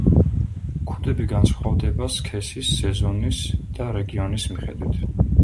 ქუდები განსხვავდება სქესის, სეზონის და რეგიონის მიხედვით.